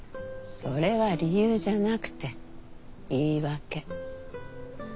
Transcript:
それは理由じゃなくて言い訳。